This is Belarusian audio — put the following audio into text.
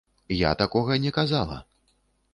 Я такога не казала.